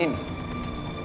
dia bukan siapa siapa pak